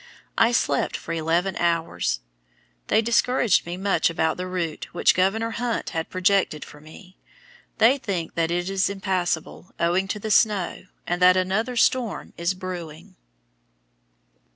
I slept for eleven hours. They discourage me much about the route which Governor Hunt has projected for me. They think that it is impassable, owing to snow, and that another storm is brewing.